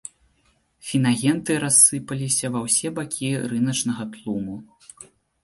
Фінагенты рассыпаліся ва ўсе бакі рыначнага тлуму.